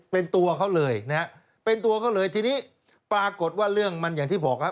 เป็นตัวเขาเลยนะฮะเป็นตัวเขาเลยทีนี้ปรากฏว่าเรื่องมันอย่างที่บอกครับ